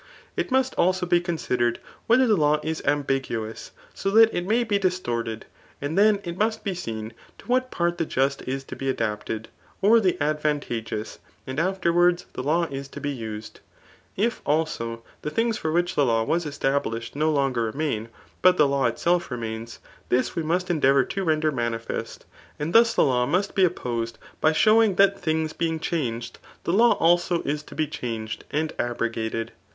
It must also be considered, whether the law is amlnguous^ so that it may be distorted, and then it must be seen to what part the just is to be adapted, or the advantageous^ and afterwards the law is to be used. If, also, the things for which the law was established no longer remain, but the law itself remains, this we must endeavour to render manifest, and thus the law must be opposed by lowing £that things bdng changed, the law also & to W changed OHAP. XVI. RHETORIC. 99 wd abrogated.